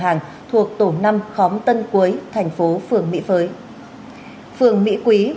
cửa hàng thuộc tổ năm khóm tân quế tp phường mỹ phới